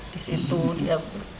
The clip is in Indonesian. di situ dia